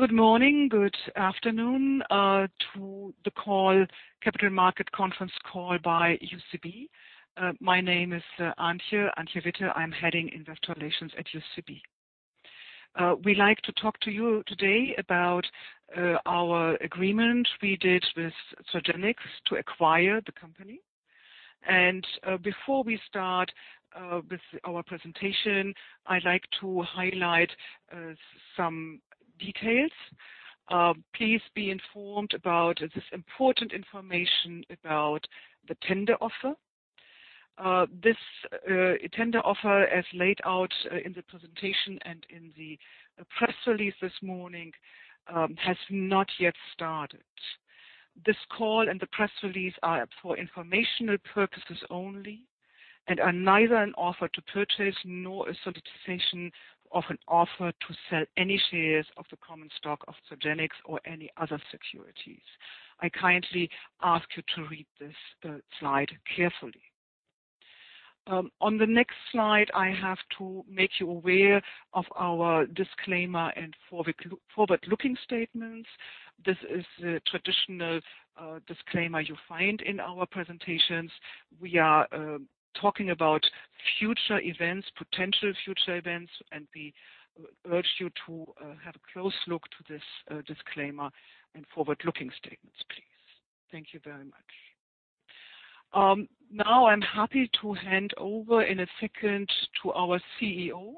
Good morning, good afternoon to the call, Capital Markets Conference Call by UCB. My name is Antje Witte. I'm heading Investor Relations at UCB. We like to talk to you today about our agreement we did with Zogenix to acquire the company. Before we start with our presentation, I'd like to highlight some details. Please be informed about this important information about the tender offer. This tender offer, as laid out in the presentation and in the press release this morning, has not yet started. This call and the press release are for informational purposes only and are neither an offer to purchase nor a solicitation of an offer to sell any shares of the common stock of Zogenix or any other securities. I kindly ask you to read this slide carefully. On the next slide, I have to make you aware of our disclaimer and forward-looking statements. This is a traditional disclaimer you find in our presentations. We are talking about future events, potential future events, and we urge you to have a close look to this disclaimer and forward-looking statements, please. Thank you very much. Now I'm happy to hand over in a second to our CEO,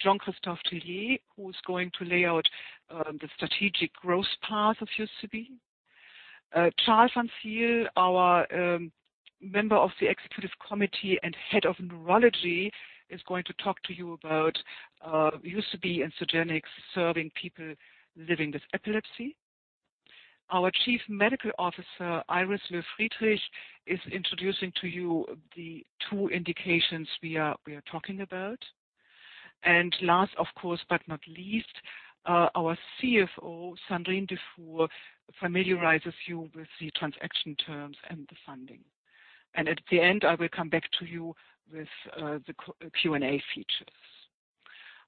Jean-Christophe Tellier, who's going to lay out the strategic growth path of UCB. Charl van Zyl, our member of the Executive Committee and Head of Neurology, is going to talk to you about UCB and Zogenix serving people living with epilepsy. Our Chief Medical Officer, Iris Löw-Friedrich, is introducing to you the two indications we are talking about. Last, of course, but not least, our CFO, Sandrine Dufour, familiarizes you with the transaction terms and the funding. At the end, I will come back to you with the Q&A features.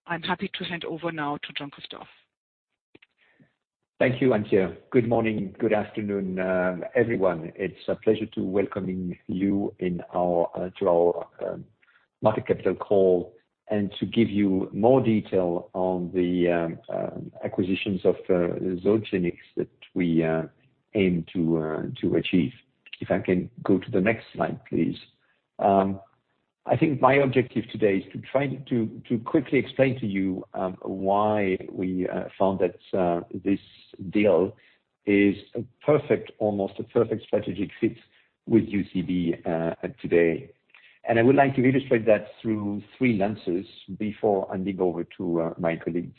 I'm happy to hand over now to Jean-Christophe. Thank you, Antje. Good morning, good afternoon, everyone. It's a pleasure to welcome you to our capital markets call and to give you more detail on the acquisitions of Zogenix that we aim to achieve. If I can go to the next slide, please. I think my objective today is to try to quickly explain to you why we found that this deal is almost a perfect strategic fit with UCB today. I would like to illustrate that through three lenses before handing over to my colleagues.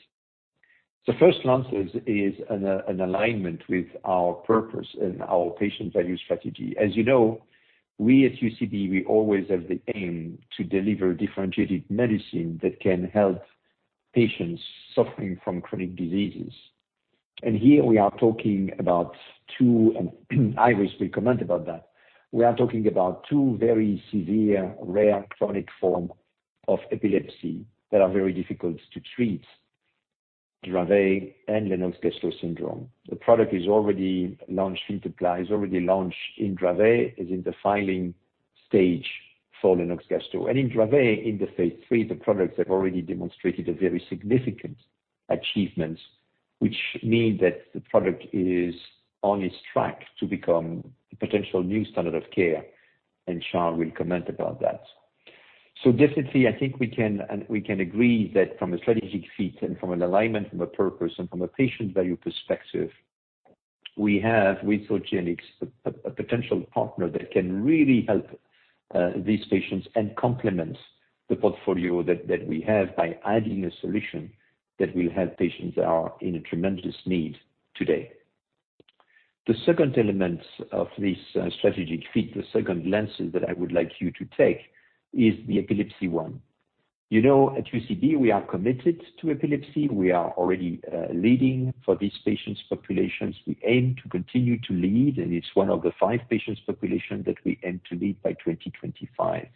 The first lens is an alignment with our purpose and our patient value strategy. As you know, we at UCB always have the aim to deliver differentiated medicine that can help patients suffering from chronic diseases. Here we are talking about two, and Iris will comment about that. We are talking about two very severe, rare chronic form of epilepsy that are very difficult to treat, Dravet and Lennox-Gastaut syndrome. The product is already launched. FINTEPLA is already launched in Dravet, is in the filing stage for Lennox-Gastaut. In Dravet, in phase III, the products have already demonstrated a very significant achievements, which mean that the product is on its track to become the potential new standard of care, and Charles will comment about that. Definitely, I think we can, and we can agree that from a strategic fit and from an alignment, from a purpose and from a patient value perspective, we have with Zogenix a potential partner that can really help these patients and complement the portfolio that we have by adding a solution that will help patients that are in a tremendous need today. The second element of this strategic fit, the second lens that I would like you to take is the epilepsy one. You know, at UCB, we are committed to epilepsy. We are already leading for these patient populations. We aim to continue to lead, and it's one of the five patient populations that we aim to lead by 2025.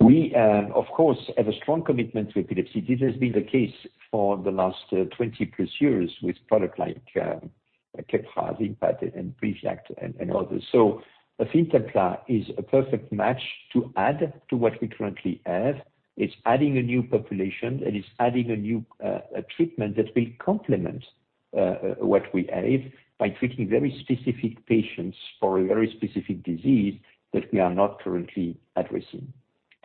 We of course have a strong commitment to epilepsy. This has been the case for the last 20-plus years with product like Keppra, VIMPAT and BRIVIACT and others. The FINTEPLA is a perfect match to add to what we currently have. It's adding a new population, and it's adding a new treatment that will complement what we have by treating very specific patients for a very specific disease that we are not currently addressing.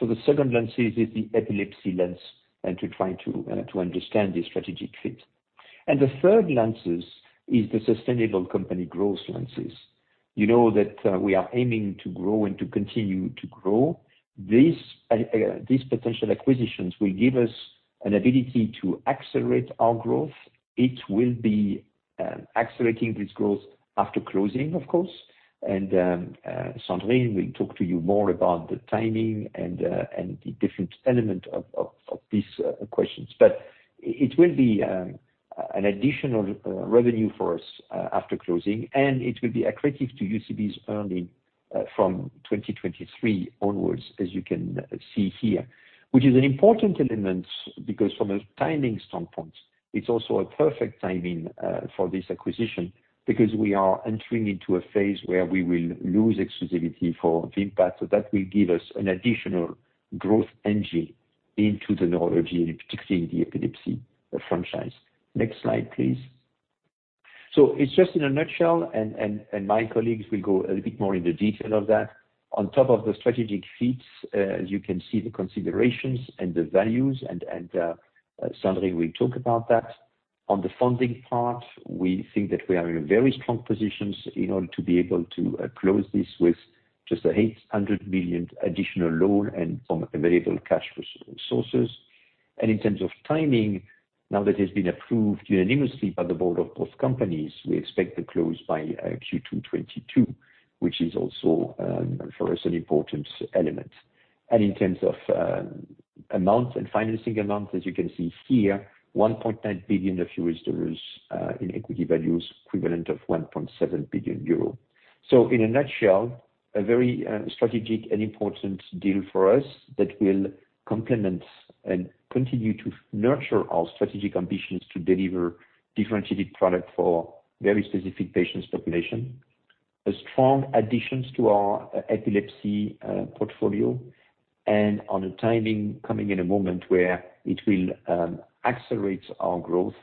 The second lens is the epilepsy lens and to try to understand the strategic fit. The third lens is the sustainable company growth lens. You know that we are aiming to grow and to continue to grow. This potential acquisition will give us an ability to accelerate our growth. It will be accelerating this growth after closing, of course. Sandrine will talk to you more about the timing and the different element of these questions. It will be an additional revenue for us after closing, and it will be accretive to UCB's earnings. From 2023 onwards, as you can see here, which is an important element because from a timing standpoint, it's also a perfect timing for this acquisition because we are entering into a phase where we will lose exclusivity for VIMPAT. That will give us an additional growth engine into the neurology, and particularly the epilepsy franchise. Next slide, please. It's just in a nutshell, and my colleagues will go a little bit more into detail of that. On top of the strategic fits, as you can see the considerations and the values, Sandrine Dufour will talk about that. On the funding part, we think that we are in very strong positions in order to be able to close this with just 800 million additional loan and from available cash resources. In terms of timing, now that it's been approved unanimously by the board of both companies, we expect to close by Q2 2022, which is also for us, an important element. In terms of amount and financing amount, as you can see here, $1.9 billion in equity values, equivalent of 1.7 billion euro. In a nutshell, a very strategic and important deal for us that will complement and continue to nurture our strategic ambitions to deliver differentiated product for very specific patients population. A strong additions to our epilepsy portfolio, and on a timing coming in a moment where it will accelerate our growth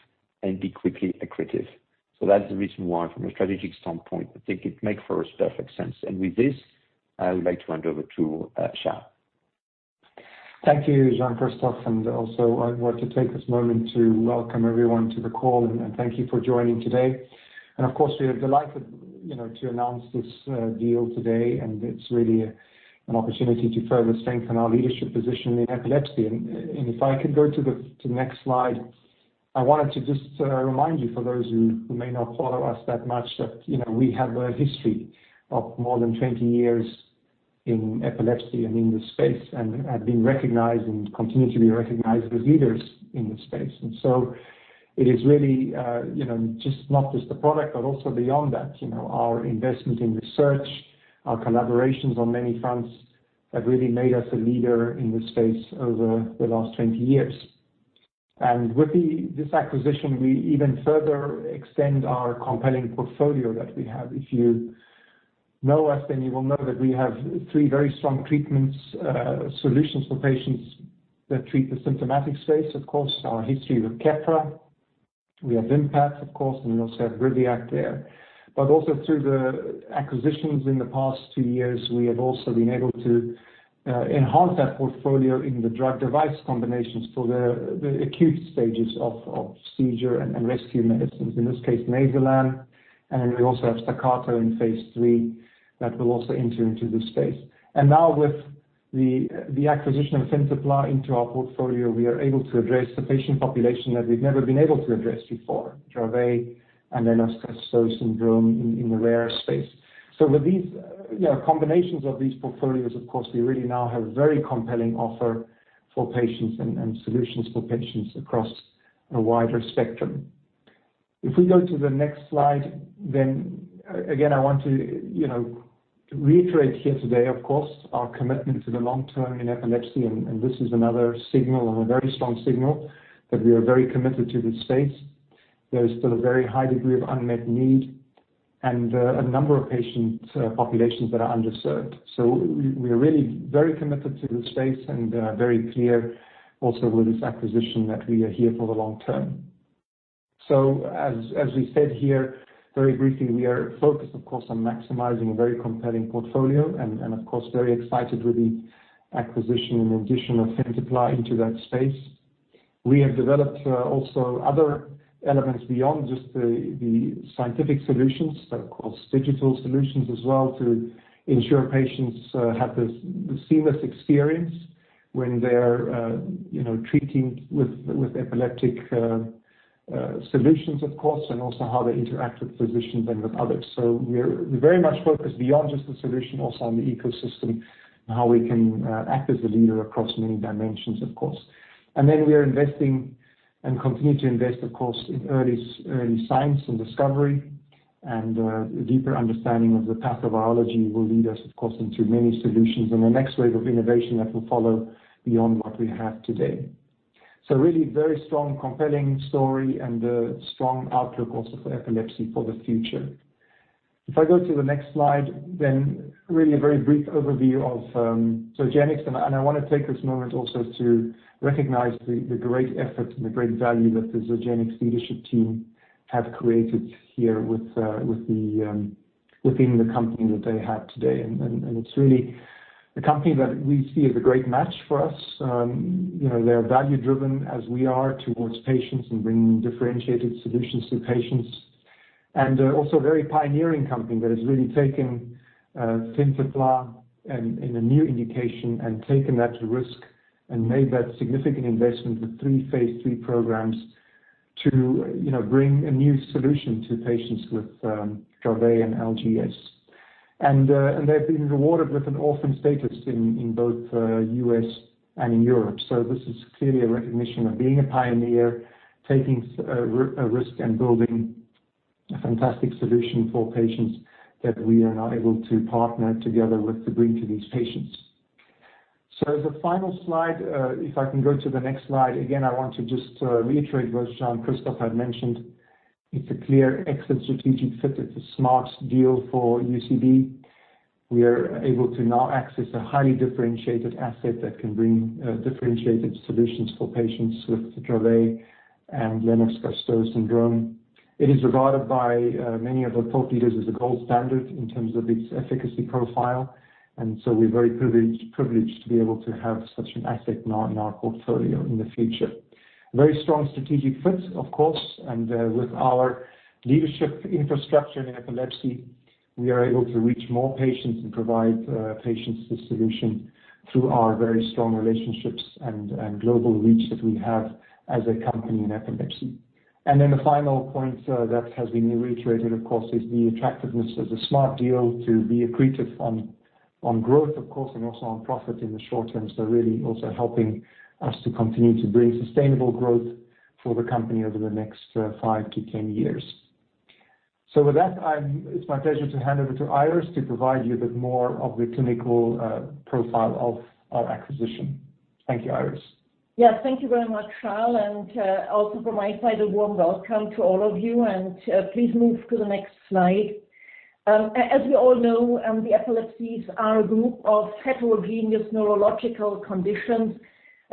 and be quickly accretive. That's the reason why from a strategic standpoint, I think it makes for us perfect sense. With this, I would like to hand over to Charles. Thank you, Jean-Christophe. Also, I want to take this moment to welcome everyone to the call and thank you for joining today. Of course, we are delighted, you know, to announce this deal today, and it's really an opportunity to further strengthen our leadership position in epilepsy. If I could go to the next slide. I wanted to just remind you for those who may not follow us that much, that, you know, we have a history of more than 20 years in epilepsy and in this space and have been recognized and continue to be recognized as leaders in this space. It is really, you know, just not just the product, but also beyond that. You know, our investment in research, our collaborations on many fronts have really made us a leader in this space over the last 20 years. With this acquisition, we even further extend our compelling portfolio that we have. If you know us, then you will know that we have three very strong treatments, solutions for patients that treat the symptomatic space. Of course, our history with Keppra. We have VIMPAT, of course, and we also have BRIVIACT there. Also through the acquisitions in the past two years, we have also been able to enhance that portfolio in the drug device combinations for the acute stages of seizure and rescue medicines. In this case, Nayzilam, and we also have Staccato in phase III that will also enter into this space. Now with the acquisition of FINTEPLA into our portfolio, we are able to address the patient population that we've never been able to address before, Dravet and then also LGS in the rare space. With these, you know, combinations of these portfolios, of course, we really now have very compelling offer for patients and solutions for patients across a wider spectrum. If we go to the next slide, then again, I want to, you know, reiterate here today, of course, our commitment to the long- term in epilepsy, and this is another signal and a very strong signal that we are very committed to this space. There is still a very high degree of unmet need and a number of patient populations that are underserved. We are really very committed to this space and very clear also with this acquisition that we are here for the long- term. As we said here very briefly, we are focused, of course, on maximizing a very compelling portfolio and of course very excited with the acquisition and addition of FINTEPLA into that space. We have developed also other elements beyond just the scientific solutions, but of course digital solutions as well to ensure patients have this seamless experience when they're treating with epileptic solutions, of course, and also how they interact with physicians and with others. We're very much focused beyond just the solution, also on the ecosystem and how we can act as a leader across many dimensions, of course. Then we are investing and continue to invest, of course, in early science and discovery and deeper understanding of the pathobiology will lead us, of course, into many solutions and the next wave of innovation that will follow beyond what we have today. Really very strong, compelling story and a strong outlook also for epilepsy for the future. If I go to the next slide, then really a very brief overview of Zogenix. I wanna take this moment also to recognize the great effort and the great value that the Zogenix leadership team have created here with within the company that they have today. It's really a company that we see as a great match for us. You know, they are value-driven as we are towards patients and bringing differentiated solutions to patients. Also very pioneering company that has really taken FINTEPLA and in a new indication and taken that risk and made that significant investment with three phase III programs to, you know, bring a new solution to patients with Dravet and LGS. They've been rewarded with an orphan status in both U.S. and in Europe. This is clearly a recognition of being a pioneer, taking a risk and building a fantastic solution for patients that we are now able to partner together with to bring to these patients. As a final slide, if I can go to the next slide. Again, I want to just reiterate what Jean-Christophe Tellier had mentioned. It's a clear excellent strategic fit. It's a smart deal for UCB. We are able to now access a highly differentiated asset that can bring differentiated solutions for patients with Dravet syndrome and Lennox-Gastaut syndrome. It is regarded by many of the thought leaders as a gold standard in terms of its efficacy profile, and so we're very privileged to be able to have such an asset now in our portfolio in the future. Very strong strategic fit, of course, and with our leadership infrastructure in epilepsy, we are able to reach more patients and provide patients this solution through our very strong relationships and global reach that we have as a company in epilepsy. The final point that has been reiterated, of course, is the attractiveness as a smart deal to be accretive on growth, of course, and also on profit in the short -term. Really also helping us to continue to bring sustainable growth for the company over the next five to ten years. With that, it's my pleasure to hand over to Iris to provide you with more of the clinical profile of our acquisition. Thank you, Iris. Yes. Thank you very much, Charles, and also from my side, a warm welcome to all of you, and please move to the next slide. As we all know, the epilepsies are a group of heterogeneous neurological conditions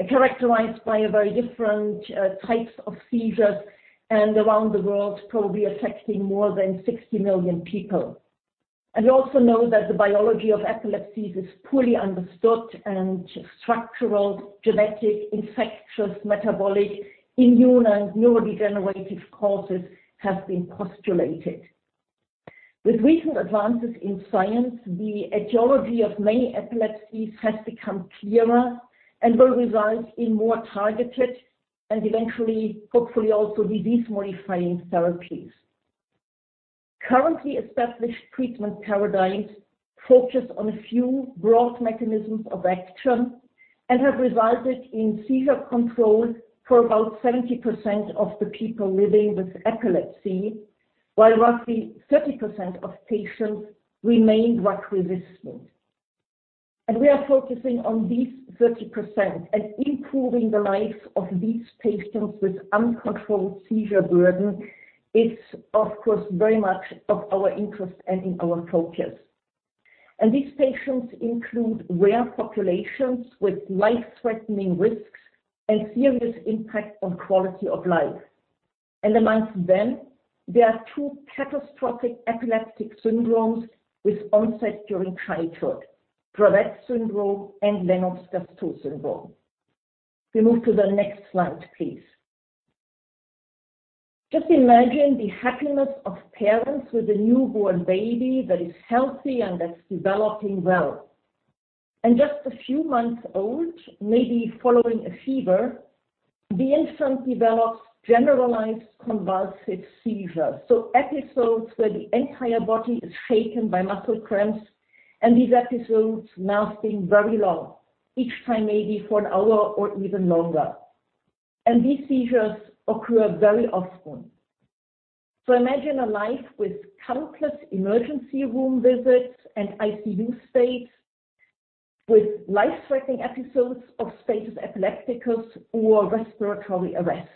characterized by very different types of seizures and around the world probably affecting more than 60 million people. We also know that the biology of epilepsies is poorly understood, and structural, genetic, infectious, metabolic, immune, and neurodegenerative causes have been postulated. With recent advances in science, the etiology of many epilepsies has become clearer and will result in more targeted and eventually, hopefully, also disease-modifying therapies. Currently established treatment paradigms focus on a few broad mechanisms of action and have resulted in seizure control for about 70% of the people living with epilepsy, while roughly 30% of patients remain drug resistant. We are focusing on these 30% and improving the lives of these patients with uncontrolled seizure burden is, of course, very much of our interest and in our focus. These patients include rare populations with life-threatening risks and serious impact on quality of life. Among them, there are two catastrophic epileptic syndromes with onset during childhood, Dravet syndrome and Lennox-Gastaut syndrome. We move to the next slide, please. Just imagine the happiness of parents with a newborn baby that is healthy and that's developing well. Just a few months old, maybe following a fever, the infant develops generalized convulsive seizure. Episodes where the entire body is shaken by muscle cramps, and these episodes now staying very long, each time maybe for an hour or even longer. These seizures occur very often. Imagine a life with countless emergency room visits and ICU stays with life-threatening episodes of status epilepticus or respiratory arrest.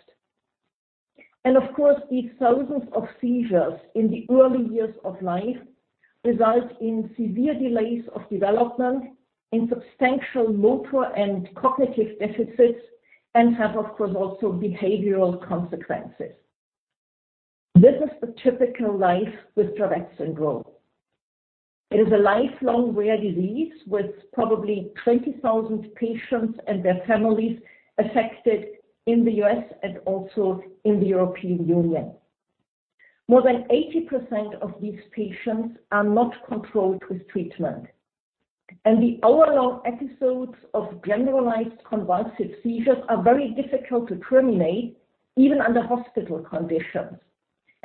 Of course, these thousands of seizures in the early years of life result in severe delays of development, in substantial motor and cognitive deficits, and have, of course, also behavioral consequences. This is the typical life with Dravet syndrome. It is a lifelong rare disease with probably 20,000 patients and their families affected in the U.S. and also in the European Union. More than 80% of these patients are not controlled with treatment. The hour-long episodes of generalized convulsive seizures are very difficult to terminate, even under hospital conditions.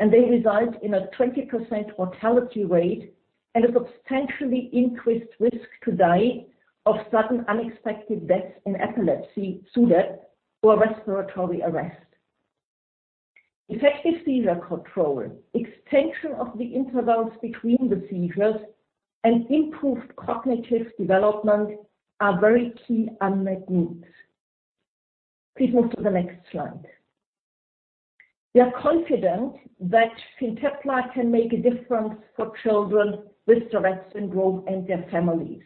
They result in a 20% mortality rate and a substantially increased risk to die of sudden unexpected deaths in epilepsy, SUDEP, or respiratory arrest. Effective seizure control, extension of the intervals between the seizures, and improved cognitive development are very key unmet needs. Please move to the next slide. We are confident that FINTEPLA can make a difference for children with Dravet syndrome and their families.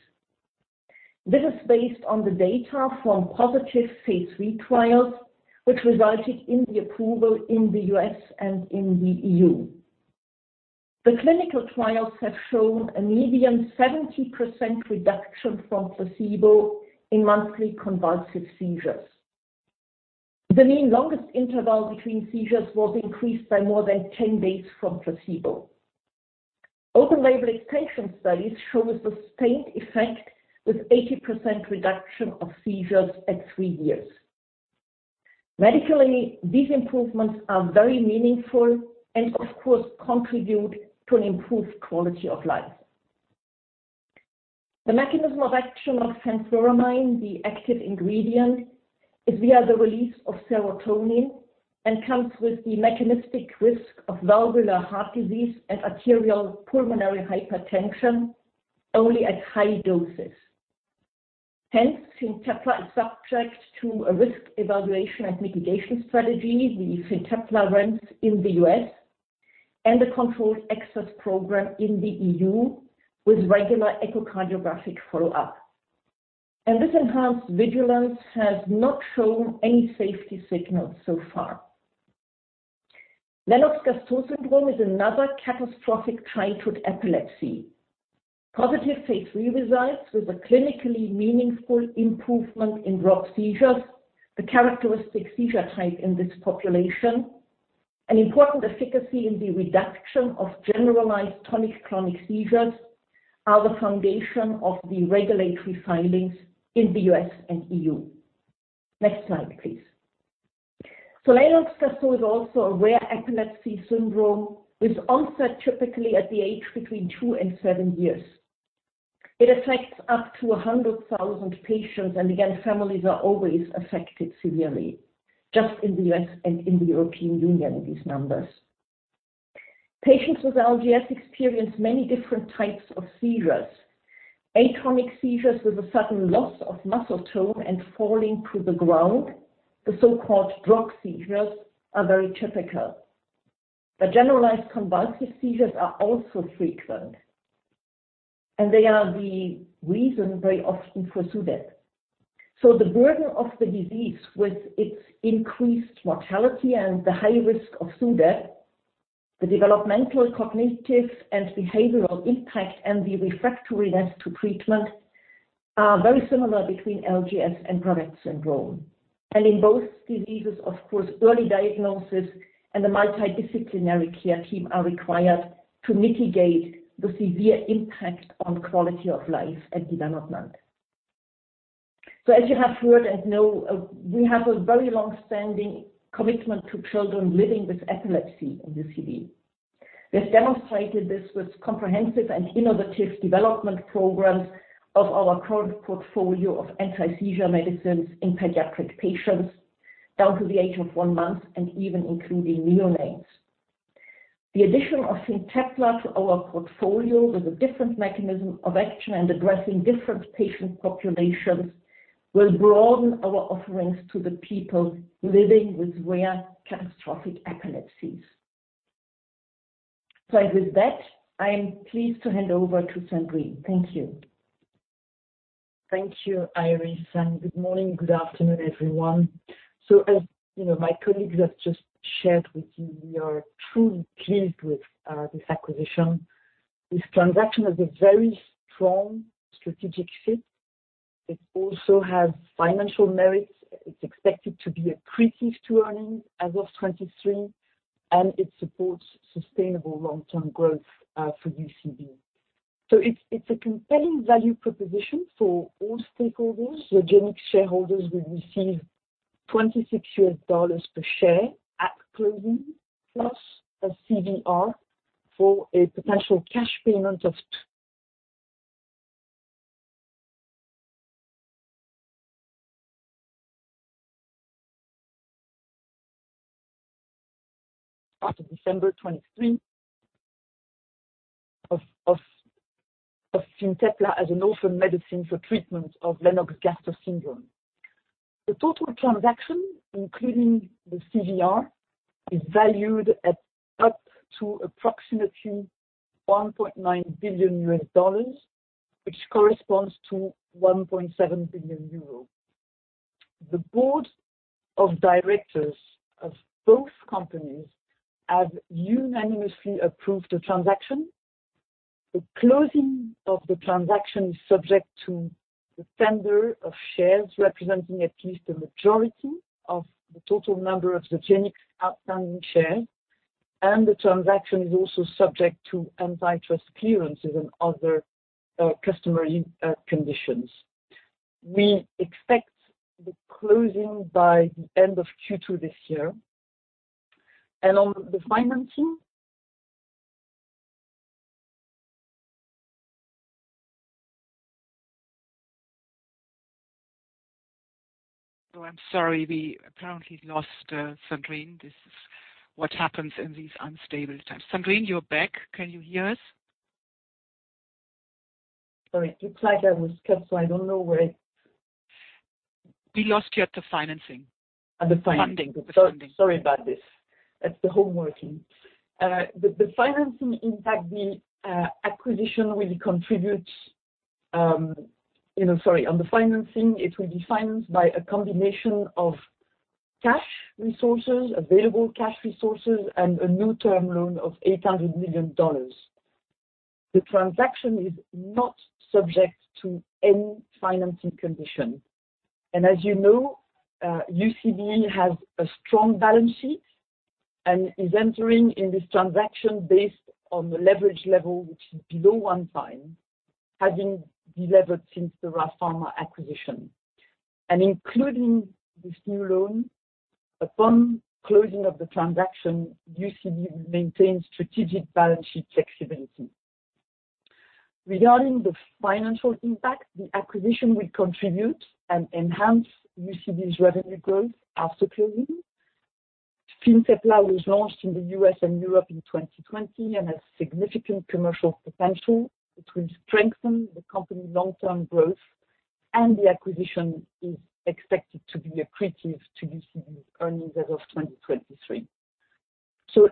This is based on the data from positive phase III trials, which resulted in the approval in the U.S. and in the EU. The clinical trials have shown a median 70% reduction from placebo in monthly convulsive seizures. The mean longest interval between seizures was increased by more than 10 days from placebo. Open-label extension studies show a sustained effect with 80% reduction of seizures at three years. Medically, these improvements are very meaningful and of course contribute to an improved quality of life. The mechanism of action of fenfluramine, the active ingredient is via the release of serotonin and comes with the mechanistic risk of valvular heart disease and pulmonary arterial hypertension only at high doses. Hence, FINTEPLA is subject to a risk evaluation and mitigation strategy. The FINTEPLA REMS runs in the U.S. and the controlled access program in the E.U. with regular echocardiographic follow-up. This enhanced vigilance has not shown any safety signals so far. Lennox-Gastaut syndrome is another catastrophic childhood epilepsy. Positive phase III results with a clinically meaningful improvement in drop seizures, the characteristic seizure type in this population, and important efficacy in the reduction of generalized tonic-clonic seizures are the foundation of the regulatory filings in the U.S. and E.U. Next slide, please. Lennox-Gastaut is also a rare epilepsy syndrome with onset typically at the age between two and seven years. It affects up to 100,000 patients, and again, families are always affected severely, just in the U.S. and in the European Union with these numbers. Patients with LGS experience many different types of seizures. Atonic seizures with a sudden loss of muscle tone and falling to the ground, the so-called drop seizures, are very typical. The generalized convulsive seizures are also frequent, and they are the reason very often for SUDEP. The burden of the disease with its increased mortality and the high risk of SUDEP, the developmental, cognitive, and behavioral impact, and the refractoryness to treatment are very similar between LGS and Dravet syndrome. In both diseases, of course, early diagnosis and the multidisciplinary care team are required to mitigate the severe impact on quality of life and development. As you have heard and know, we have a very long-standing commitment to children living with epilepsy in UCB. We have demonstrated this with comprehensive and innovative development programs of our current portfolio of anti-seizure medicines in pediatric patients down to the age of one month and even including neonates. The addition of FINTEPLA to our portfolio with a different mechanism of action and addressing different patient populations will broaden our offerings to the people living with rare catastrophic epilepsies. With that, I am pleased to hand over to Sandrine. Thank you. Thank you, Iris, and good morning, good afternoon, everyone. As you know, my colleagues have just shared with you, we are truly pleased with this acquisition. This transaction has a very strong strategic fit. It also has financial merits. It's expected to be accretive to earnings as of 2023, and it supports sustainable long-term growth for UCB. It's a compelling value proposition for all stakeholders. Zogenix shareholders will receive $26 per share at closing, plus a CVR for a potential cash payment of as of December 2023 of Fintepla as an orphan medicine for treatment of Lennox-Gastaut syndrome. The total transaction, including the CVR, is valued at up to approximately $1.9 billion, which corresponds to 1.7 billion euros. The board of directors of both companies have unanimously approved the transaction. The closing of the transaction is subject to the tender of shares representing at least a majority of the total number of Zogenix outstanding shares, and the transaction is also subject to antitrust clearances and other customary conditions. We expect the closing by the end of Q2 this year. On the financing... Oh, I'm sorry. We apparently lost, Sandrine. This is what happens in these unstable times. Sandrine, you're back. Can you hear us? Sorry. It looks like I was cut, so I don't know where. We lost you at the financing. At the financing. The funding. Sorry about this. That's the home working. You know, sorry. On the financing, it will be financed by a combination of cash resources, available cash resources, and a new term loan of $800 million. The transaction is not subject to any financing condition. As you know, UCB has a strong balance sheet and is entering in this transaction based on the leverage level, which is below one time, having deleveraged since the Ra Pharma acquisition. Including this new loan, upon closing of the transaction, UCB will maintain strategic balance sheet flexibility. Regarding the financial impact, the acquisition will contribute and enhance UCB's revenue growth after closing. FINTEPLA was launched in the US and Europe in 2020 and has significant commercial potential, which will strengthen the company's long-term growth, and the acquisition is expected to be accretive to UCB's earnings as of 2023.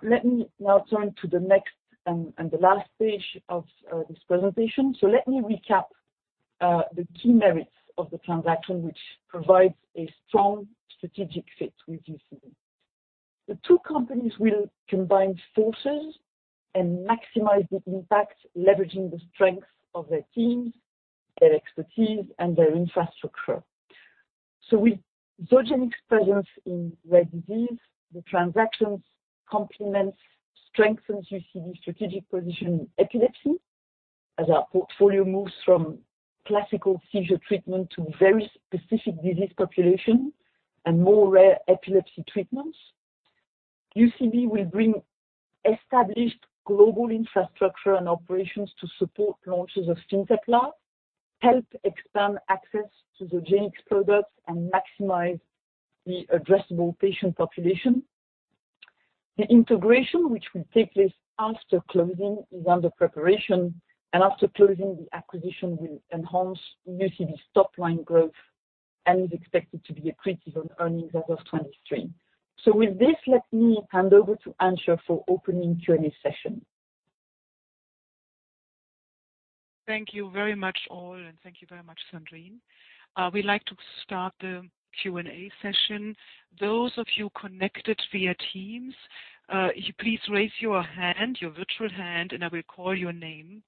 Let me now turn to the next and the last page of this presentation. Let me recap the key merits of the transaction, which provides a strong strategic fit with UCB. The two companies will combine forces and maximize the impact, leveraging the strength of their teams, their expertise, and their infrastructure. With Zogenix presence in rare disease, the transaction complements, strengthens UCB strategic position in epilepsy as our portfolio moves from classical seizure treatment to very specific disease population and more rare epilepsy treatments. UCB will bring established global infrastructure and operations to support launches of FINTEPLA, help expand access to Zogenix products, and maximize the addressable patient population. The integration, which will take place after closing, is under preparation, and after closing, the acquisition will enhance UCB's top line growth and is expected to be accretive on earnings as of 2023. With this, let me hand over to Antje for opening Q&A session. Thank you very much all, and thank you very much, Sandrine. We'd like to start the Q&A session. Those of you connected via Teams, if you please raise your hand, your virtual hand, and I will call your name.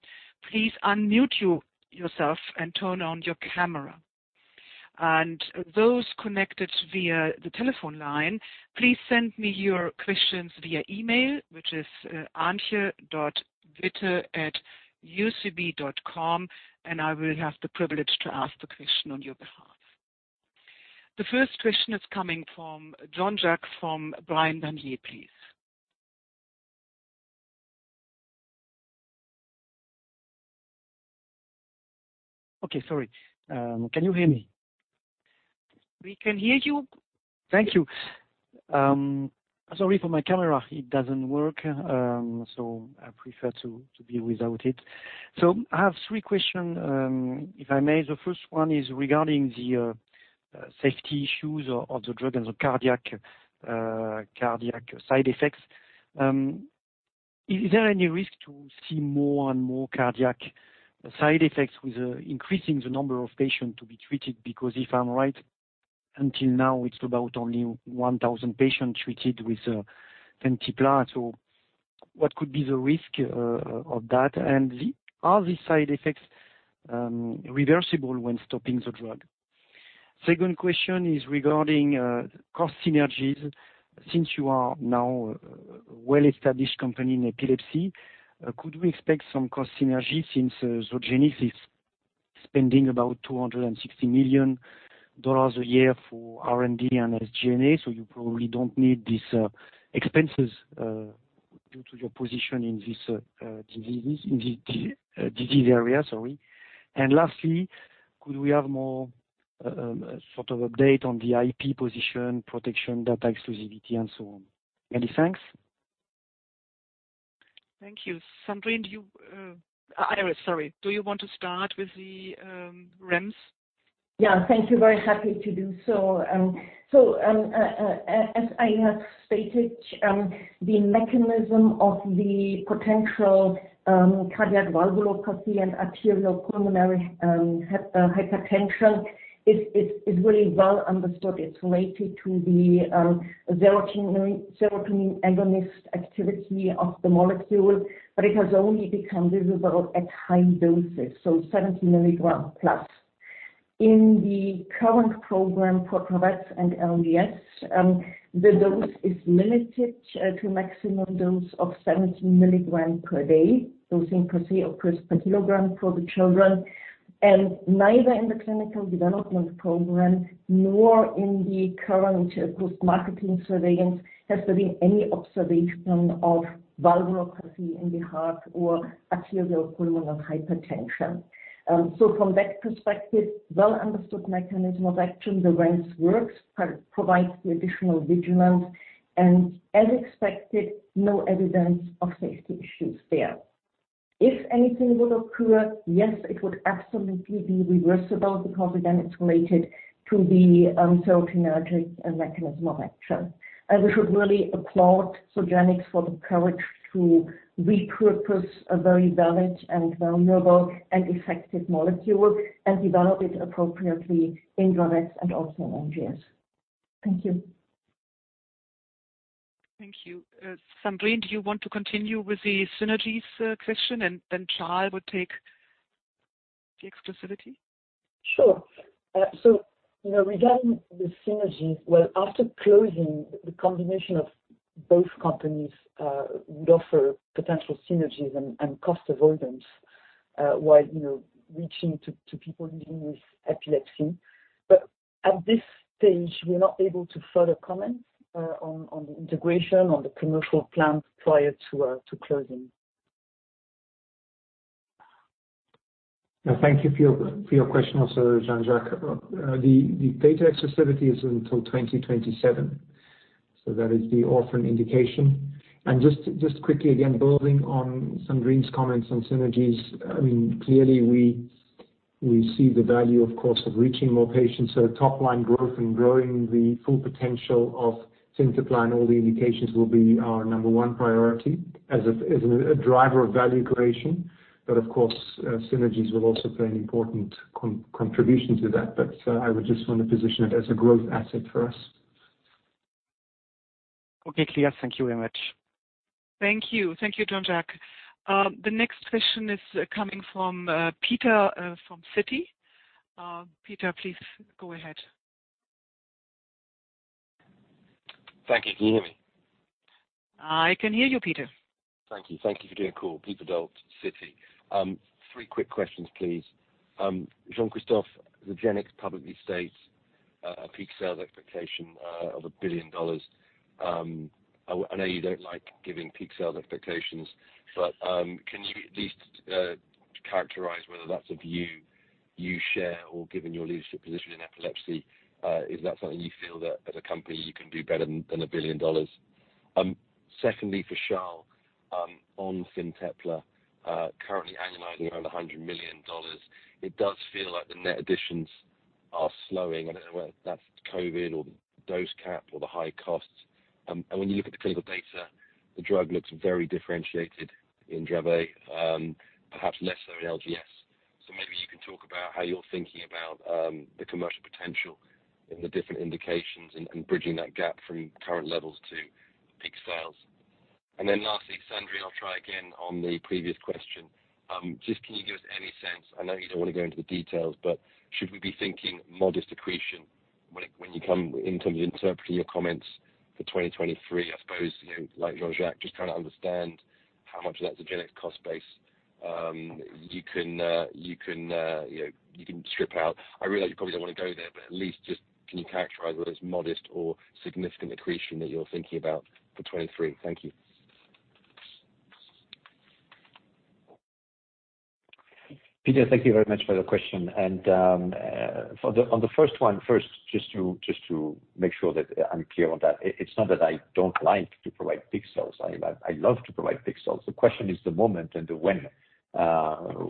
Please unmute yourself and turn on your camera. Those connected via the telephone line, please send me your questions via email, which is antje.witte@ucb.com, and I will have the privilege to ask the question on your behalf. The first question is coming from Jean-Jacques Le Fur from Bryan Garnier & Co, please. Okay, sorry. Can you hear me? We can hear you. Thank you. Sorry for my camera. It doesn't work, so I prefer to be without it. I have three question, if I may. The first one is regarding the safety issues of the drug and the cardiac side effects. Is there any risk to see more and more cardiac side effects with increasing the number of patients to be treated? Because if I'm right, until now, it's about only 1,000 patients treated with FINTEPLA. So what could be the risk of that? And are the side effects reversible when stopping the drug? Second question is regarding cost synergies. Since you are now a well-established company in epilepsy, could we expect some cost synergies since Zogenix is spending about $260 million a year for R&D and SG&A? You probably don't need these expenses due to your position in this disease area, sorry. Lastly, could we have more sort of update on the IP position, protection, data exclusivity, and so on? Many thanks. Thank you. Sandrine, do you, Iris, sorry. Do you want to start with the REMS? Yeah. Thank you. Very happy to do so. So, as I have stated, the mechanism of the potential cardiac valvulopathy and pulmonary arterial hypertension is really well understood. It's related to the serotonin agonist activity of the molecule, but it has only become visible at high doses, so 17 mg plus. In the current program for Dravet and LGS, the dose is limited to a maximum dose of 17 mg per day, dosing per se or per kilogram for the children. Neither in the clinical development program nor in the current post-marketing surveillance has there been any observation of valvulopathy in the heart or pulmonary arterial hypertension. From that perspective, well understood mechanism of action, the REMS works, provides the additional vigilance, and as expected, no evidence of safety issues there. If anything would occur, yes, it would absolutely be reversible because again, it's related to the serotonergic mechanism of action. We should really applaud Zogenix for the courage to repurpose a very valid and well-known and effective molecule and develop it appropriately in Dravet and also in LGS. Thank you. Thank you. Sandrine, do you want to continue with the synergies question, and then Charl would take the exclusivity? Sure. So, you know, regarding the synergies, well, after closing, the combination of both companies would offer potential synergies and cost avoidance while, you know, reaching to people living with epilepsy. At this stage, we're not able to further comment on the integration or the commercial plan prior to closing. Yeah, thank you for your question also, Jean-Jacques. The data exclusivity is until 2027, so that is the orphan indication. Just quickly, again, building on Sandrine's comments on synergies, I mean, clearly we see the value, of course, of reaching more patients. Top line growth and growing the full potential of FINTEPLA and all the indications will be our number one priority as a driver of value creation. Of course, synergies will also play an important contribution to that. I would just wanna position it as a growth asset for us. Okay. Clear. Thank you very much. Thank you. Thank you, Jean-Jacques. The next question is coming from Peter from Citi. Peter please go ahead. Thank you. Can you hear me? I can hear you, Peter. Thank you for doing the call. Peter Verdult, Citi. three quick questions, please. Jean-Christophe Tellier, Zogenix publicly states a peak sales expectation of $1 billion. I know you don't like giving peak sales expectations, but can you at least characterize whether that's a view you share or given your leadership position in epilepsy is that something you feel that as a company you can do better than $1 billion? Secondly, for Charl van Zyl, on FINTEPLA, currently annualizing around $100 million, it does feel like the net additions are slowing. I don't know whether that's COVID or the dose cap or the high costs. When you look at the clinical data, the drug looks very differentiated in Dravet, perhaps less so in LGS. Maybe you can talk about how you're thinking about the commercial potential in the different indications and bridging that gap from current levels to peak sales. Lastly, Sandrine, I'll try again on the previous question. Just can you give us any sense, I know you don't wanna go into the details, but should we be thinking modest accretion in terms of interpreting your comments for 2023? I suppose, you know, like Jean-Jacques, just trying to understand how much of that Zogenix cost base, you know, you can strip out. I realize you probably don't wanna go there, but at least just can you characterize whether it's modest or significant accretion that you're thinking about for 2023? Thank you. Peter Verdult, thank you very much for your question. On the first one, first, just to make sure that I'm clear on that, it's not that I don't like to provide peak sales. I love to provide peak sales. The question is the moment and the when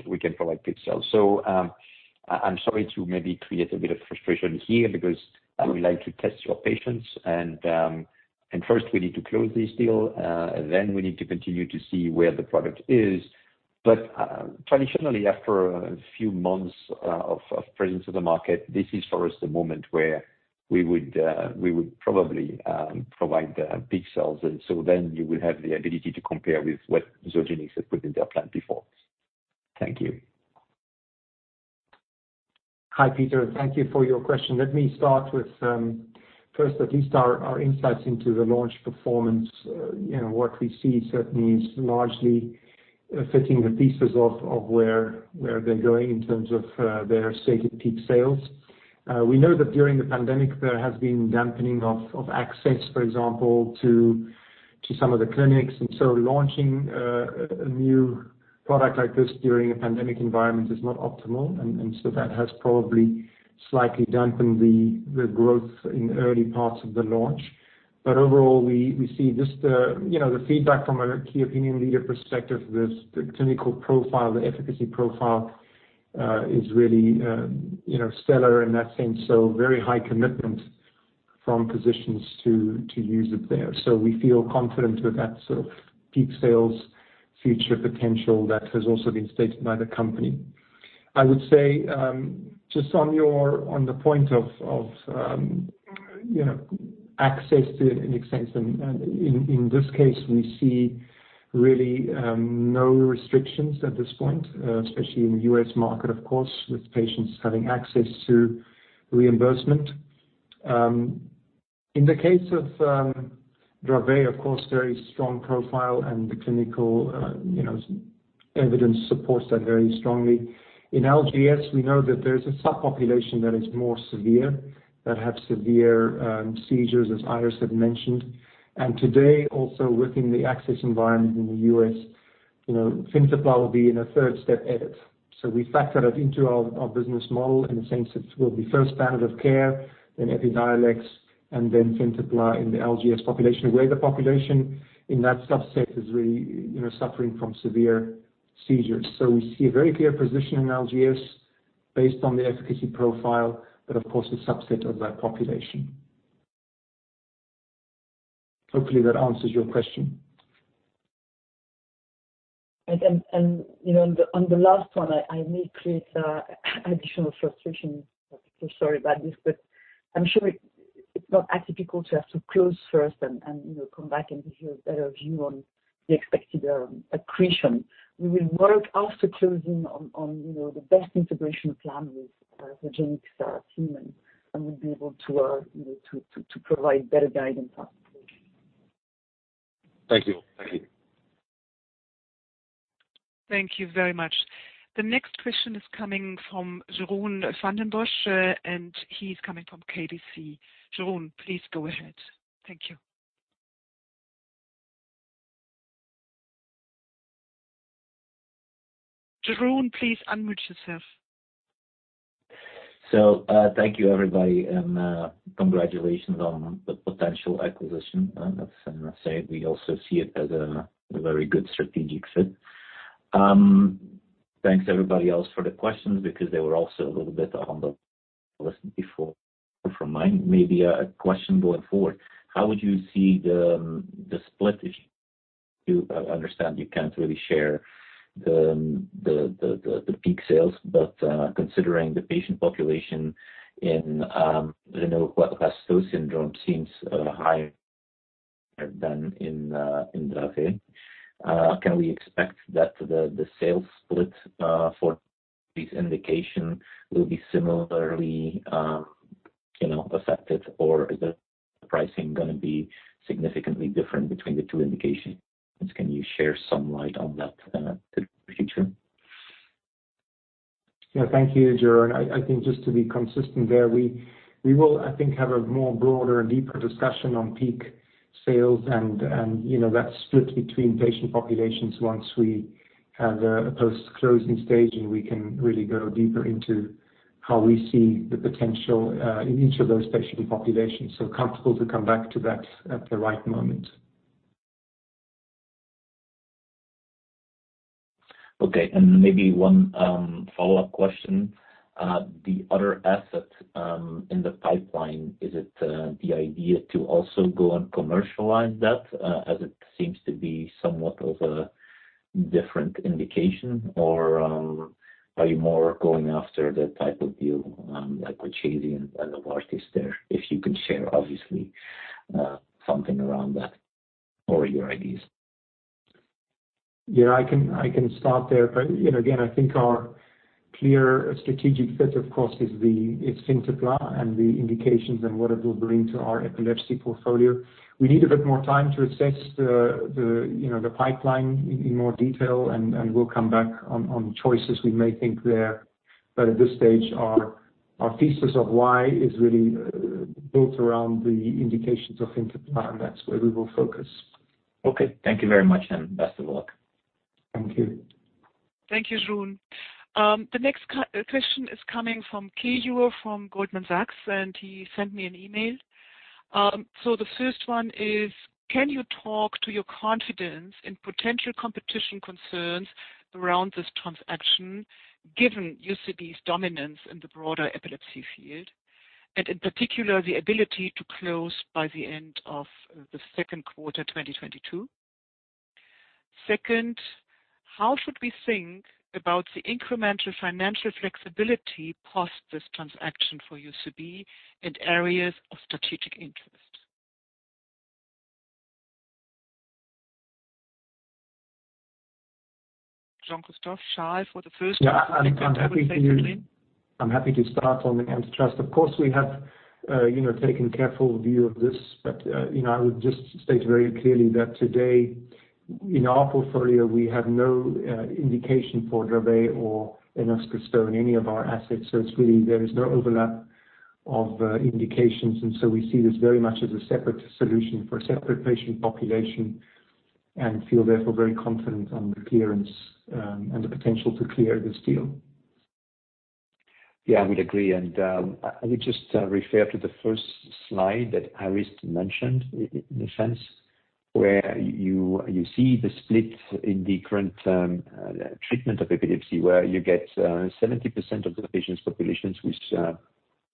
we can provide peak sales. I'm sorry to maybe create a bit of frustration here because I would like to test your patience and first we need to close this deal. Then we need to continue to see where the product is. Traditionally, after a few months of presence of the market, this is for us the moment where we would probably provide the peak sales. You will have the ability to compare with what Zogenix had put in their plan before. Thank you. Hi, Peter. Thank you for your question. Let me start with first, at least our insights into the launch performance. You know, what we see certainly is largely fitting the pieces of where they're going in terms of their stated peak sales. We know that during the pandemic there has been dampening of access, for example, to some of the clinics. Launching a new product like this during a pandemic environment is not optimal. That has probably slightly dampened the growth in early parts of the launch. Overall, we see just you know, the feedback from a key opinion leader perspective, the clinical profile, the efficacy profile is really you know, stellar in that sense. Very high commitment from physicians to use it there. We feel confident with that sort of peak sales future potential that has also been stated by the company. I would say, just on the point of, you know, access to an extent, and in this case, we see really no restrictions at this point, especially in the U.S. market, of course, with patients having access to reimbursement. In the case of Dravet, of course, very strong profile and the clinical, you know, evidence supports that very strongly. In LGS, we know that there's a subpopulation that is more severe, that have severe seizures, as Iris had mentioned. Today also within the access environment in the U.S., you know, FINTEPLA will be in a third-step edit. We factor that into our business model in the sense it will be first standard of care, then Epidyolex, and then FINTEPLA in the LGS population, where the population in that subset is really, you know, suffering from severe seizures. We see a very clear position in LGS based on the efficacy profile, but of course a subset of that population. Hopefully that answers your question. You know, on the last one, I may create additional frustration. Sorry about this, but I'm sure it's not that difficult to have to close first and you know, come back and give you a better view on the expected accretion. We will work after closing on you know, the best integration plan with Zogenix team, and we'll be able to you know, to provide better guidance on accretion. Thank you. Thank you very much. The next question is coming from Jeroen Van den Bossche, and he's coming from KBC. Jeroen, please go ahead. Thank you. Jeroen, please unmute yourself. Thank you, everybody, and congratulations on the potential acquisition. As I say, we also see it as a very good strategic fit. Thanks everybody else for the questions because they were also a little bit on the list before from mine. Maybe a question going forward. How would you see the split if you understand you can't really share the peak sales, but considering the patient population in Lennox-Gastaut syndrome seems higher than in Dravet. Can we expect that the sales split for this indication will be similarly you know affected or is the pricing going to be significantly different between the two indications? Can you share some light on that, the future? Yeah. Thank you, Jeroen. I think just to be consistent there, we will, I think, have a more broader and deeper discussion on peak sales and, you know, that split between patient populations once we have a post-closing stage, and we can really go deeper into how we see the potential in each of those patient populations. Comfortable to come back to that at the right moment. Okay. Maybe one follow-up question. The other asset in the pipeline, is it the idea to also go and commercialize that, as it seems to be somewhat of a different indication or, are you more going after the type of deal, like with Chiesi and Orphazyme there? If you can share, obviously, something around that or your ideas. Yeah, I can start there. You know, again, I think our clear strategic fit, of course, is FINTEPLA and the indications and what it will bring to our epilepsy portfolio. We need a bit more time to assess the, you know, the pipeline in more detail, and we'll come back on choices we may think there. At this stage, our thesis of why is really built around the indications of FINTEPLA, and that's where we will focus. Okay. Thank you very much and best of luck. Thank you. Thank you, Jeroen. The next question is coming from Ke Liu from Goldman Sachs, and he sent me an email. The first one is, can you talk to your confidence in potential competition concerns around this transaction, given UCB's dominance in the broader epilepsy field, and in particular, the ability to close by the end of the second, 2022? Second, how should we think about the incremental financial flexibility post this transaction for UCB in areas of strategic interest? Jean-Christophe, Charles, for the first one Yeah. I'm happy to start on the antitrust. Of course, we have, you know, taken careful view of this, but, you know, I would just state very clearly that today in our portfolio, we have no indication for Dravet or Lennox-Gastaut in any of our assets. So it's really there is no overlap of indications. We see this very much as a separate solution for a separate patient population and feel therefore very confident on the clearance and the potential to clear this deal. Yeah, I would agree. I would just refer to the first slide that Iris Löw-Friedrich mentioned in a sense, where you see the split in the current treatment of epilepsy, where you get 70% of the patients' population which are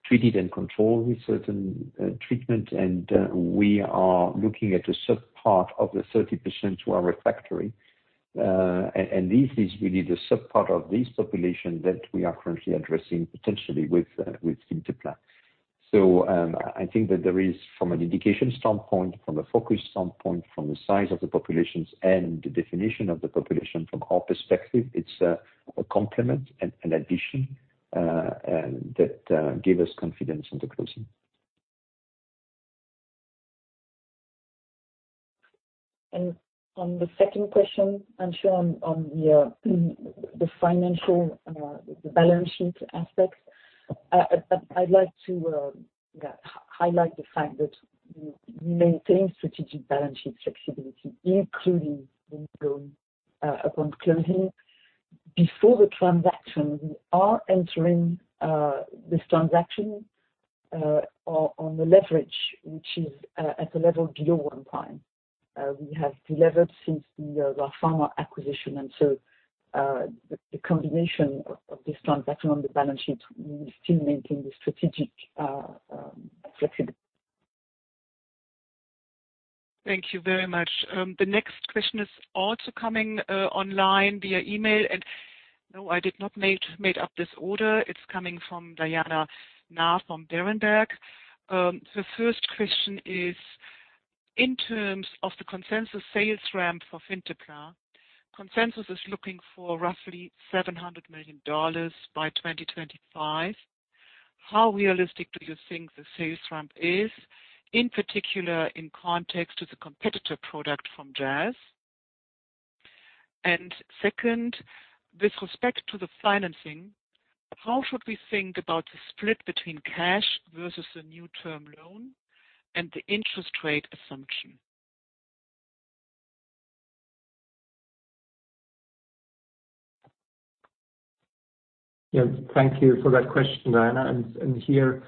treated and controlled with certain treatment. We are looking at a subpart of the 30% who are refractory. This is really the subpart of this population that we are currently addressing potentially with FINTEPLA. I think that there is from an indication standpoint, from a focus standpoint, from the size of the populations and the definition of the population, from our perspective, it's a complement and an addition that give us confidence on the closing. On the second question, Sandrine Dufour, on the financial balance sheet aspects, I'd like to highlight the fact that we maintain strategic balance sheet flexibility, including the loan upon closing. Before the transaction, we are entering this transaction on the leverage, which is at a level below 1 time. We have deleveraged since the Ra Pharma acquisition. The combination of this transaction on the balance sheet, we still maintain the strategic flexibility. Thank you very much. The next question is also coming online via email. No, I did not make up this order. It's coming from Diana Nah from Berenberg. The first question is, in terms of the consensus sales ramp for FINTEPLA, consensus is looking for roughly $700 million by 2025. How realistic do you think the sales ramp is, in particular in context to the competitor product from Jazz? Second, with respect to the financing, how should we think about the split between cash versus a new term loan and the interest rate assumption? Yes, thank you for that question, Diana. Here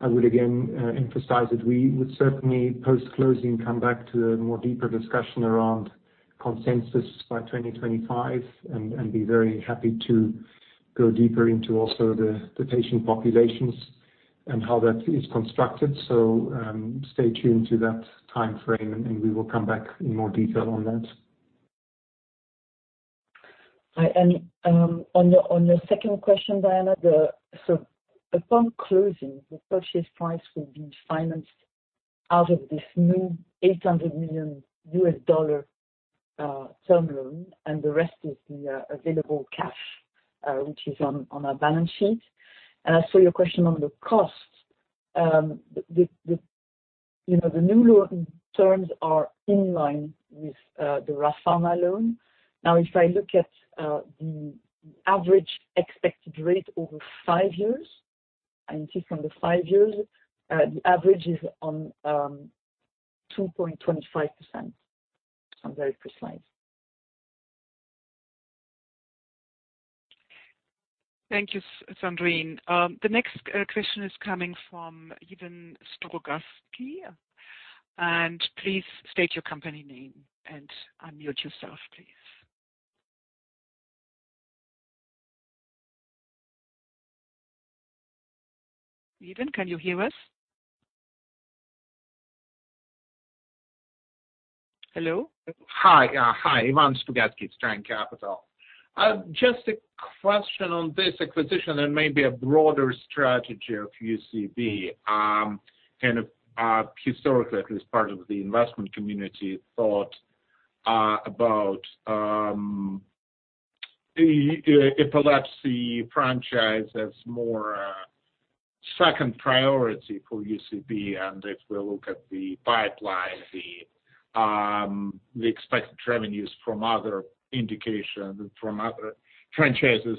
I would again emphasize that we would certainly post-closing come back to a more deeper discussion around consensus by 2025 and be very happy to go deeper into also the patient populations and how that is constructed. Stay tuned to that time frame, and we will come back in more detail on that. All right. On your second question, Diana, upon closing, the purchase price will be financed out of this new $800 million term loan, and the rest is the available cash which is on our balance sheet. As for your question on the costs, you know, the new loan terms are in line with the Ra Pharma loan. Now, if I look at the average expected rate over five years and say from the five years, the average is at 2.25%. I'm very precise. Thank you, Sandrine. The next question is coming from Ivan Stroganov. Please state your company name and unmute yourself, please. Ivan, can you hear us? Hello? Hi. Ivan Stroganov, Truffle Capital. Just a question on this acquisition and maybe a broader strategy of UCB. Kind of historically, at least part of the investment community thought about the epilepsy franchise as more second priority for UCB. If we look at the pipeline, the expected revenues from other indications, from other franchises,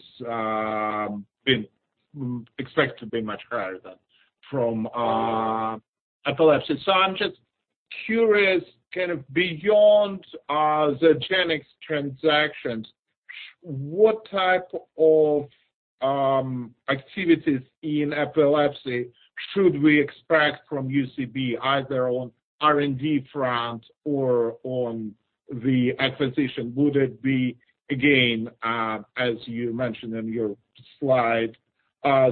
been expected to be much higher than from epilepsy. I'm just curious, kind of beyond the Zogenix transactions, what type of activities in epilepsy should we expect from UCB, either on R&D front or on the acquisition. Would it be, again, as you mentioned in your slide,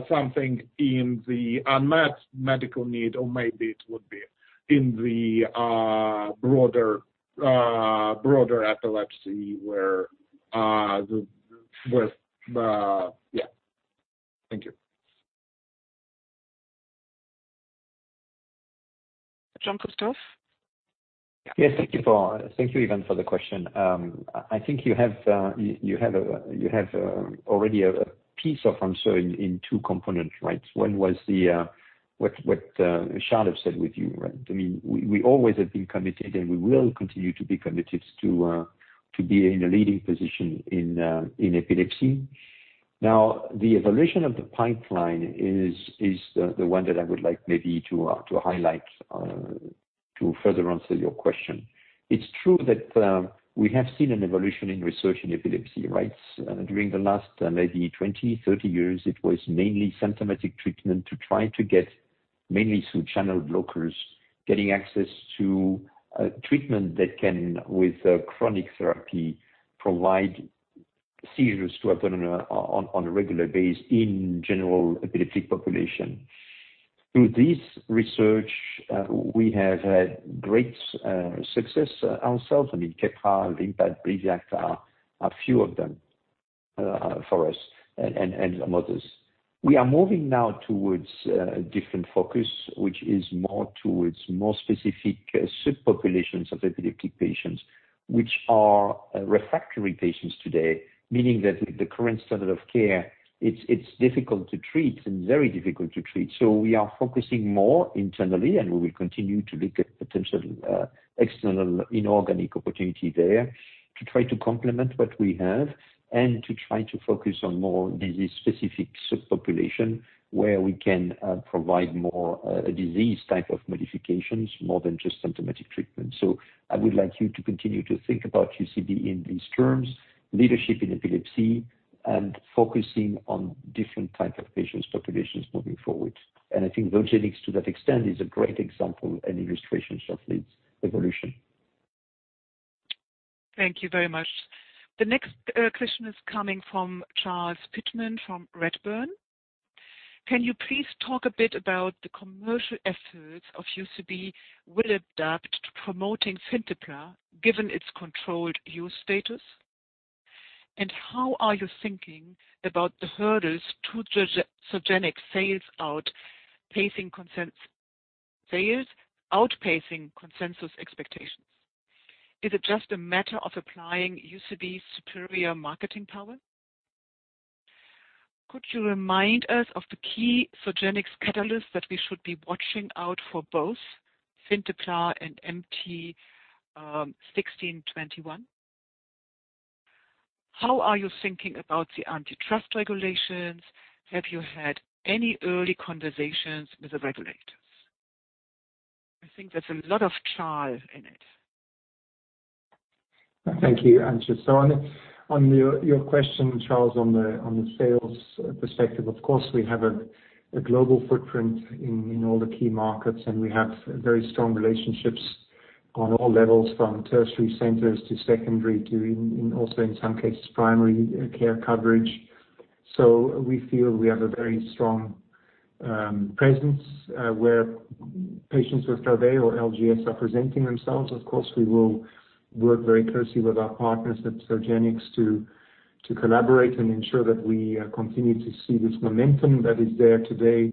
something in the unmet medical need, or maybe it would be in the broader epilepsy where with. Yeah. Thank you. Jean-Christophe? Yes. Thank you, Ivan, for the question. I think you have already a piece of answer in two components, right? One was what Charl has said with you, right? I mean, we always have been committed, and we will continue to be committed to be in a leading position in epilepsy. Now, the evolution of the pipeline is the one that I would like maybe to highlight to further answer your question. It's true that we have seen an evolution in research in epilepsy, right? During the last maybe 20, 30 years, it was mainly symptomatic treatment to try to get, mainly through channel blockers, getting access to treatment that can, with chronic therapy, prevent seizures from happening on a regular basis in general epileptic population. Through this research, we have had great success ourselves. I mean, Keppra, VIMPAT, BRIVIACT are a few of them, for us and others. We are moving now towards a different focus, which is more towards specific subpopulations of epileptic patients, which are refractory patients today, meaning that the current standard of care, it's difficult to treat and very difficult to treat. We are focusing more internally, and we will continue to look at potential external inorganic opportunity there to try to complement what we have and to try to focus on more disease-specific subpopulation, where we can provide more a disease type of modifications more than just symptomatic treatment. I would like you to continue to think about UCB in these terms, leadership in epilepsy and focusing on different type of patient populations moving forward. I think Zogenix, to that extent, is a great example and illustration of this evolution. Thank you very much. The next question is coming from Charles Pitman from Redburn. Can you please talk a bit about the commercial efforts of UCB will adapt to promoting FINTEPLA, given its controlled use status? And how are you thinking about the hurdles to Zogenix sales outpacing consensus expectations? Is it just a matter of applying UCB's superior marketing power? Could you remind us of the key Zogenix catalyst that we should be watching out for both FINTEPLA and MT 1621. How are you thinking about the antitrust regulations? Have you had any early conversations with the regulators? I think there's a lot of challenges in it. Thank you, Antje. On your question, Charles, on the sales perspective, of course, we have a global footprint in all the key markets, and we have very strong relationships on all levels, from tertiary centers to secondary, and in some cases, primary care coverage. We feel we have a very strong presence where patients with Dravet or LGS are presenting themselves. Of course, we will work very closely with our partners at Zogenix to collaborate and ensure that we continue to see this momentum that is there today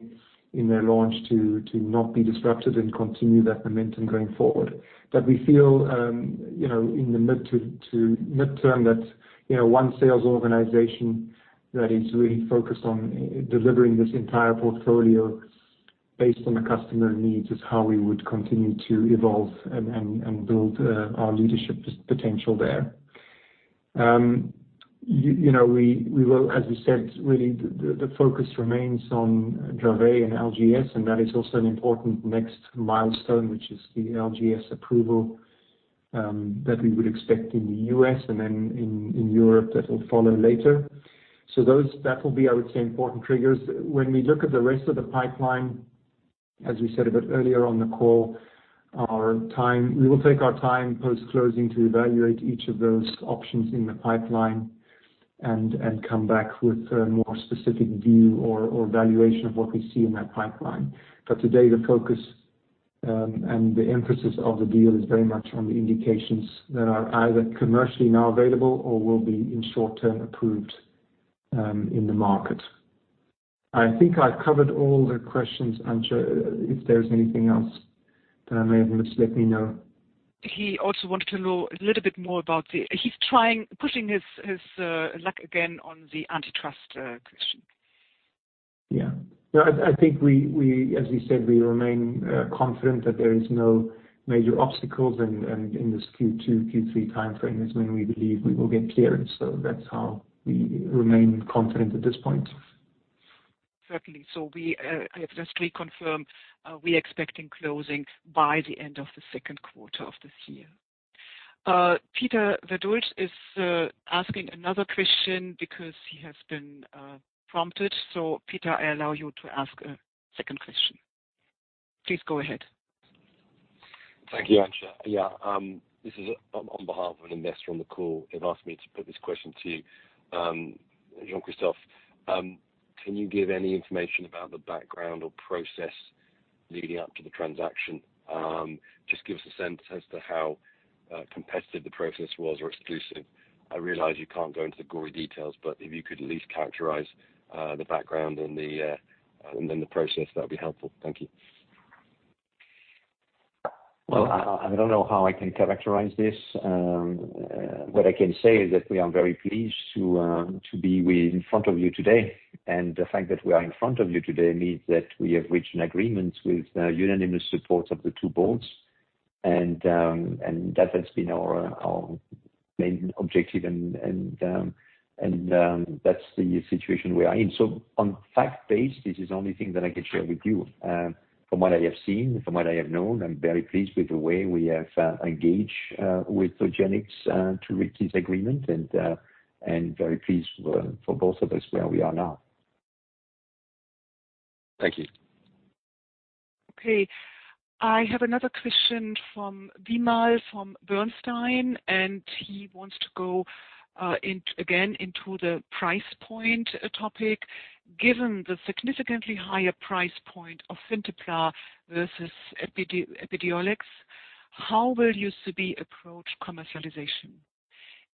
in their launch to not be disrupted and continue that momentum going forward. We feel, you know, in the mid- to mid-term that, you know, one sales organization that is really focused on delivering this entire portfolio based on the customer needs is how we would continue to evolve and build our leadership potential there. You know, we will. As we said, really, the focus remains on Dravet and LGS, and that is also an important next milestone, which is the LGS approval that we would expect in the U.S. and then in Europe that will follow later. Those that will be, I would say, important triggers. When we look at the rest of the pipeline, as we said a bit earlier on the call, we will take our time post-closing to evaluate each of those options in the pipeline and come back with a more specific view or valuation of what we see in that pipeline. Today, the focus and the emphasis of the deal is very much on the indications that are either commercially now available or will be approved in the short -term in the market. I think I've covered all the questions, Antje. If there's anything else that I may have missed, let me know. He also wanted to know a little bit more about the. He's trying, pushing his luck again on the antitrust question. Yeah. No, I think we as we said we remain confident that there is no major obstacles in this Q2, Q3 time frame is when we believe we will get clearance. That's how we remain confident at this point. Certainly. I have just reconfirmed, we expecting closing by the end of the second quarter of this year. Peter Verdult is asking another question because he has been prompted. Peter, I allow you to ask a second question. Please go ahead. Thank you, Antje. This is on behalf of an investor on the call. They've asked me to put this question to you. Jean-Christophe, can you give any information about the background or process leading up to the transaction? Just give us a sense as to how competitive the process was or exclusive. I realize you can't go into the gory details, but if you could at least characterize the background and then the process, that'll be helpful. Thank you. Well, I don't know how I can characterize this. What I can say is that we are very pleased to be in front of you today. The fact that we are in front of you today means that we have reached an agreement with unanimous support of the two boards. That has been our main objective and that's the situation we are in. Fact-based, this is the only thing that I can share with you. From what I have seen, from what I have known, I'm very pleased with the way we have engaged with Zogenix to reach this agreement, and very pleased for both of us where we are now. Thank you. Okay. I have another question from Vimal, from Bernstein, and he wants to go again into the price point topic. Given the significantly higher price point of FINTEPLA versus Epidiolex, how will UCB approach commercialization?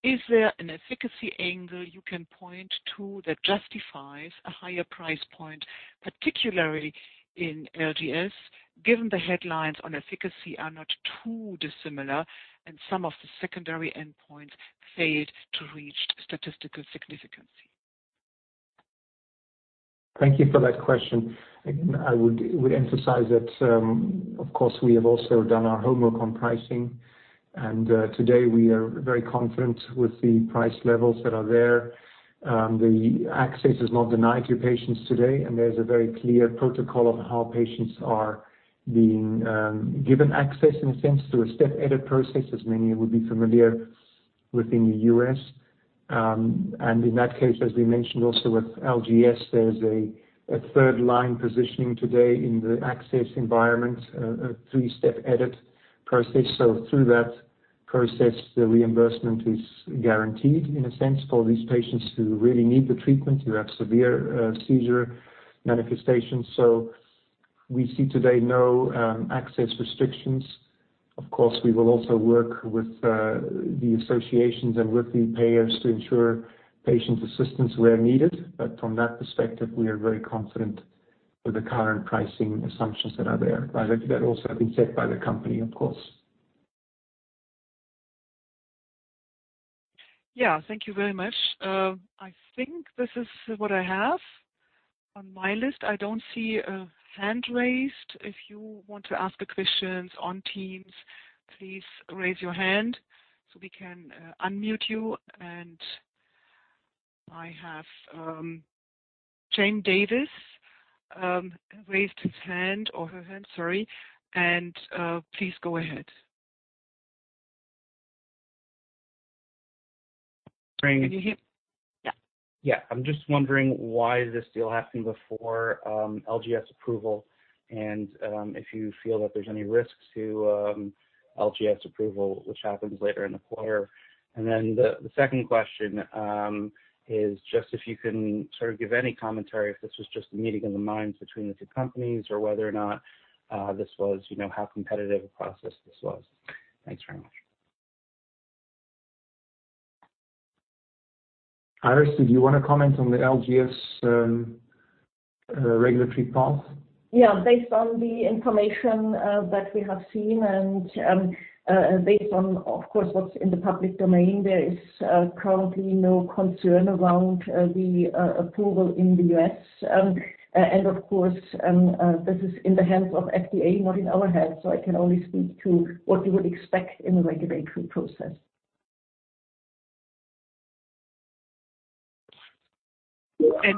Is there an efficacy angle you can point to that justifies a higher price point, particularly in LGS, given the headlines on efficacy are not too dissimilar and some of the secondary endpoints failed to reach statistical significance. Thank you for that question. I would emphasize that, of course, we have also done our homework on pricing, and today we are very confident with the price levels that are there. The access is not denied to patients today, and there's a very clear protocol of how patients are being given access in a sense through a step edit process, as many would be familiar within the U.S. In that case, as we mentioned also with LGS, there's a third line positioning today in the access environment, a three-step edit process. Through that process, the reimbursement is guaranteed in a sense for these patients who really need the treatment, who have severe seizure manifestations. We see today no access restrictions. Of course, we will also work with the associations and with the payers to ensure patient assistance where needed. From that perspective, we are very confident. With the current pricing assumptions that are there, right? That also have been set by the company, of course. Yeah. Thank you very much. I think this is what I have on my list. I don't see a hand raised. If you want to ask a question on Teams, please raise your hand so we can unmute you. I have Jane Davis raised his hand or her hand. Sorry. Please go ahead. Jane. Can you hear? Yeah. Yeah. I'm just wondering why this deal happened before LGS approval and if you feel that there's any risk to LGS approval, which happens later in the quarter. The second question is just if you can sort of give any commentary if this was just a meeting of the minds between the two companies or whether or not this was you know how competitive a process this was. Thanks very much. Iris, did you want to comment on the LGS regulatory path? Yeah. Based on the information that we have seen and, of course, what's in the public domain, there is currently no concern around the approval in the U.S. Of course, this is in the hands of FDA, not in our hands, so I can only speak to what you would expect in the regulatory process.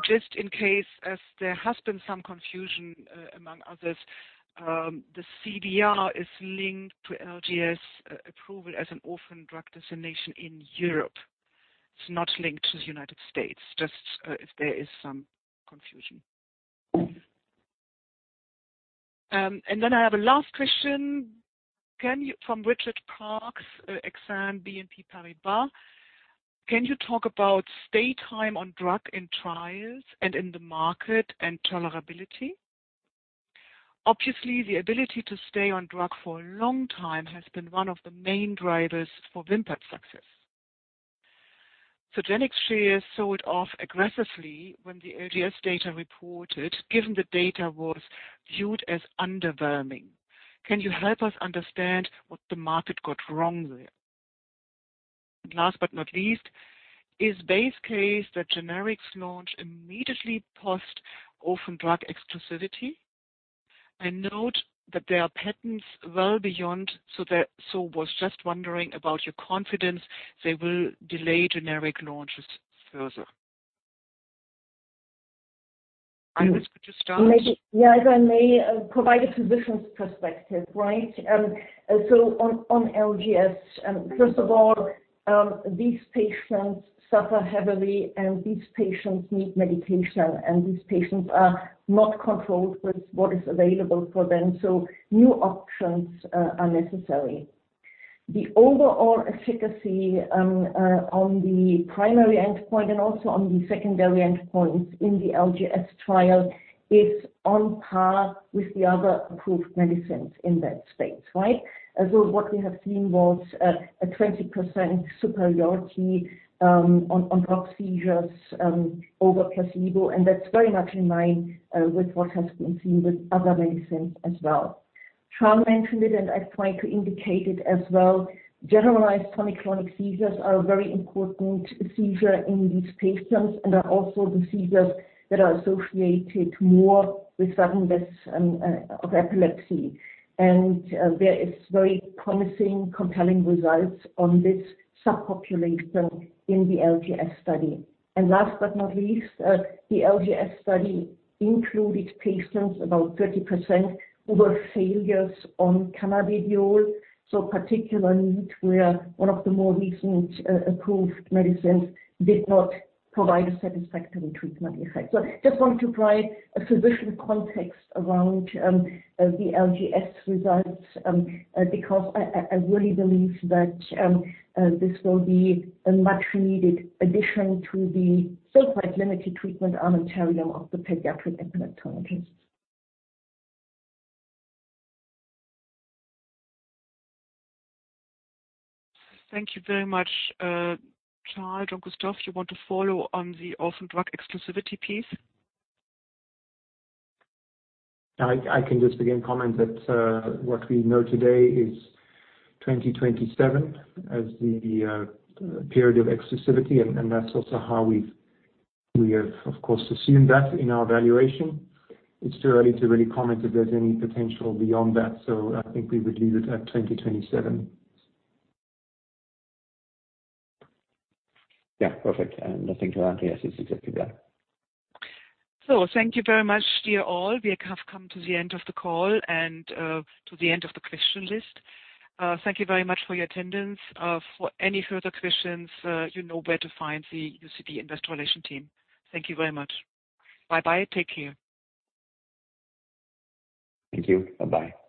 Just in case, as there has been some confusion among others, the CVR is linked to LGS approval as an orphan drug designation in Europe. It's not linked to the United States, just if there is some confusion. And then I have a last question. From Richard Parkes, BNP Paribas Exane. Can you talk about stay time on drug in trials and in the market and tolerability? Obviously, the ability to stay on drug for a long time has been one of the main drivers for VIMPAT success. So generics shares sold off aggressively when the LGS data reported, given the data was viewed as underwhelming. Can you help us understand what the market got wrong there? And last but not least, is base case that generics launch immediately post orphan drug exclusivity? I note that there are patents well beyond. I was just wondering about your confidence they will delay generic launches further. Iris, could you start? Maybe. Yeah, if I may provide a physician's perspective, right? On LGS, first of all, these patients suffer heavily, and these patients need medication, and these patients are not controlled with what is available for them, so new options are necessary. The overall efficacy on the primary endpoint and also on the secondary endpoints in the LGS trial is on par with the other approved medicines in that space, right? What we have seen was a 20% superiority on drug seizures over placebo, and that's very much in line with what has been seen with other medicines as well. Charles mentioned it, and I try to indicate it as well. Generalized tonic-clonic seizures are a very important seizure in these patients and are also the seizures that are associated more with sudden deaths of epilepsy. There is very promising, compelling results on this subpopulation in the LGS study. Last but not least, the LGS study included patients, about 30%, who were failures on cannabidiol, so particular need where one of the more recent, approved medicines did not provide a satisfactory treatment effect. Just wanted to provide a physician context around the LGS results, because I really believe that this will be a much needed addition to the so quite limited treatment armamentarium of the pediatric epileptologist. Thank you very much. Charles or Jean-Christophe Tellier, you want to follow on the orphan drug exclusivity piece? I can just again comment that what we know today is 2027 as the period of exclusivity, and that's also how we have, of course, assumed that in our valuation. It's too early to really comment if there's any potential beyond that. I think we would leave it at 2027. Yeah. Perfect. Nothing to add. Yes, it's exactly that. Thank you very much, dear all. We have come to the end of the call and to the end of the question list. Thank you very much for your attendance. For any further questions, you know where to find the UCB Investor Relations team. Thank you very much. Bye-bye. Take care. Thank you. Bye-bye.